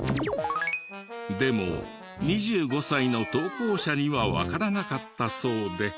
でも２５歳の投稿者にはわからなかったそうで。